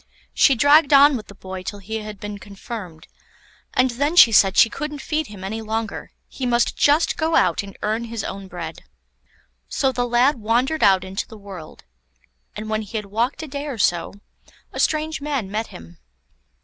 She dragged on with the boy till he had been confirmed, and then she said she couldn't feed him any longer, he must just go out and earn his own bread. So the lad wandered out into the world, and when he had walked a day or so, a strange man met him.